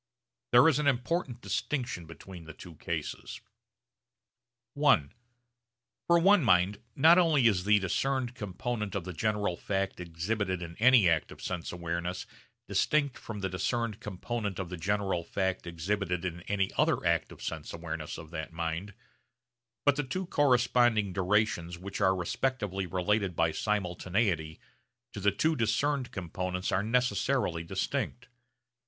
There is an important distinction between the two cases. (i) For one mind not only is the discerned component of the general fact exhibited in any act of sense awareness distinct from the discerned component of the general fact exhibited in any other act of sense awareness of that mind, but the two corresponding durations which are respectively related by simultaneity to the two discerned components are necessarily distinct.